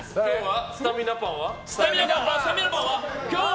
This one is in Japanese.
スタミナパンは？